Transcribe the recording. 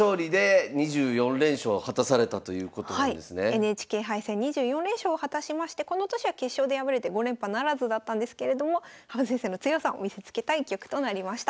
ＮＨＫ杯戦２４連勝を果たしましてこの年は決勝で敗れて５連覇ならずだったんですけれども羽生先生の強さを見せつけた一局となりました。